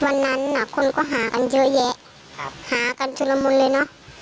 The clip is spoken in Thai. วันนั้นน่ะคนก็หากันเยอะแยะครับหากันชุดละมุนเลยเนอะ